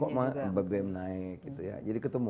kok bbm naik jadi ketemu